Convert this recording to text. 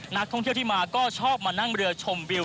นักท่องเที่ยวที่มาก็ชอบมานั่งเรือชมวิว